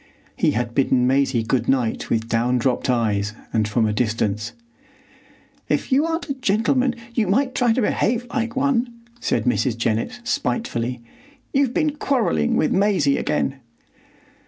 He had bidden Maisie good night with down dropped eyes and from a distance. "If you aren't a gentleman you might try to behave like one," said Mrs. Jennett, spitefully. "You've been quarrelling with Maisie again."